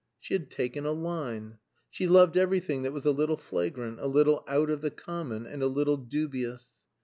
She had taken a line. She loved everything that was a little flagrant, a little out of the common, and a little dubious.